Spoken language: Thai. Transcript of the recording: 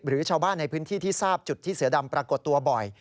หรือชาวบ้านในพื้นที่ที่ทราบจุดที่เสือดำปรากฏตัวบ่อย